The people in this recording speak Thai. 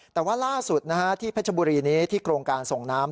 แต่ว่าล่าสุดที่เพชรบุรีนี้ที่โครงการส่งน้ำ